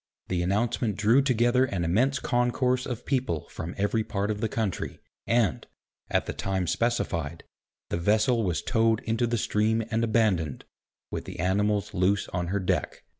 The announcement drew together an immense concourse of people from every part of the country, and, at the time specified, the vessel was towed into the stream and abandoned, with the animals loose on her deck.